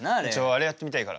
あれやってみたいから。